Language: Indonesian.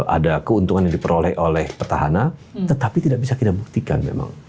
ada keuntungan yang diperoleh oleh petahana tetapi tidak bisa kita buktikan memang